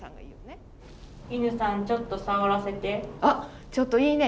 あっちょっといいね。